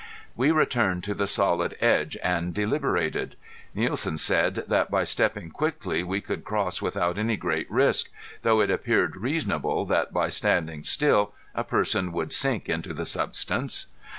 We returned to the solid edge and deliberated. Nielsen said that by stepping quickly we could cross without any great risk, though it appeared reasonable that by standing still a person would sink into the substance.